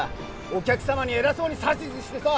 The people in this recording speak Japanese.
お客様に偉そうに指図してさ。